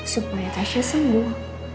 supaya tasya sembuh